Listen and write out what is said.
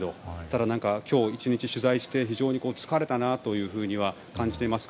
ただ、今日１日取材をして非常に疲れたなとは感じています。